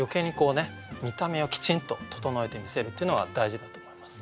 見た目をきちんと整えて見せるというのは大事だと思います。